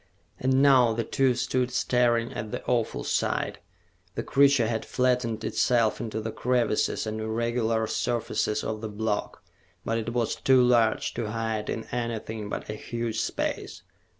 And now the two stood staring at the awful sight. The creature had flattened itself into the crevices and irregular surfaces of the block, but it was too large to hide in anything but a huge space.